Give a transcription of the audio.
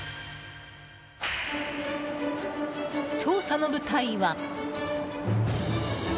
調査の舞台は。